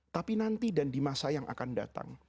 tapi nanti dan di masa yang akan datang